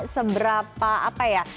seberapa apa ya